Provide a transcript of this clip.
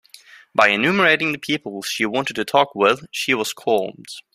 By enumerating the people she wanted to talk with, she was calmed.